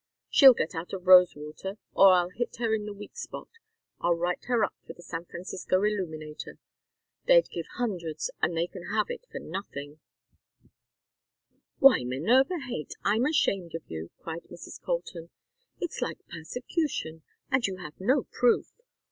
She'll get out of Rosewater, or I'll hit her in her weak spot. I'll write her up for the San Francisco Illuminator. They'd give hundreds, and they can have it for nothing " "Why, Minerva Haight, I'm ashamed of you!" cried Mrs. Colton. "It's like persecution, and you have no proof.